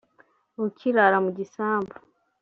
ukirara mu gisambu